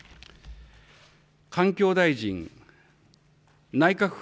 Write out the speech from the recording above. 環境大臣、内閣府